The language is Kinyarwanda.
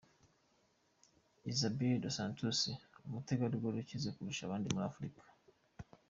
Isabel Dos Santos, umutegarugori ukize kurusha abandi muri Afurika.